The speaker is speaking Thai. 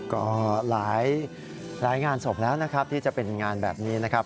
ก็หลายงานศพแล้วนะครับที่จะเป็นงานแบบนี้นะครับ